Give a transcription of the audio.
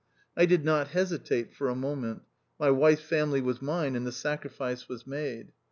I did not hesitate for a moment, my wife's family was mine, and the sacrifice was made.